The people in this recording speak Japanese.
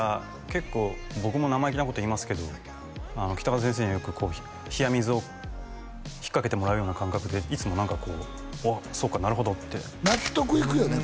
結構僕も生意気なこと言いますけど北方先生によく冷や水を引っかけてもらうような感覚でいつも何かこう「あっそうかなるほど」って納得いくよね